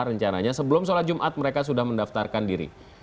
rencananya sebelum sholat jumat mereka sudah mendaftarkan diri